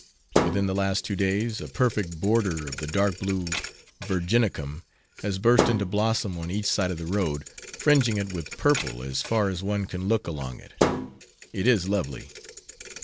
Within the last two days, a perfect border of the dark blue Virginicum has burst into blossom on each side of the road, fringing it with purple as far as one can look along it; it is lovely.